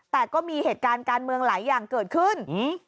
แต่ก็มีเหตุการณ์การเมืองหลายอย่างเกิดขึ้น